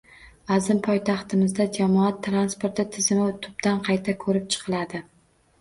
Azim poytaxtimizda jamoat transporti tizimi tubdan qayta ko‘rib chiqiladi